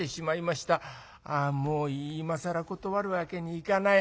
ああもう今更断るわけにいかない。